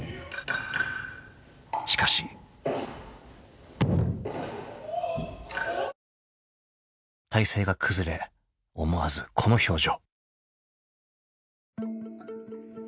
［しかし］［体勢が崩れ思わずこの表情］